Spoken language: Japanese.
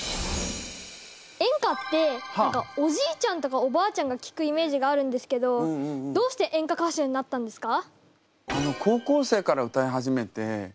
演歌っておじいちゃんとかおばあちゃんが聴くイメージがあるんですけどどうして演歌歌手になったんですか？